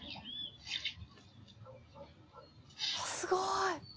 すごい。